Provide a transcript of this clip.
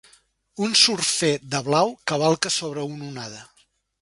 Un surfer de blau cavalca sobre una onada